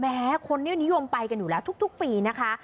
แม้คนนี้นิวมไปกันอยู่แล้วทุกปีนะคะ